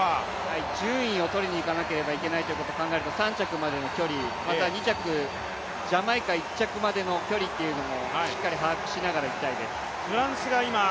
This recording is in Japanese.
順位を取りにいかなければいけないということを考えると３着までの距離、また２着、ジャマイカ、１着までの距離もしっかり把握しながら行きたいです。